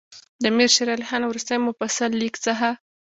د امیر شېر علي خان وروستي مفصل لیک څخه.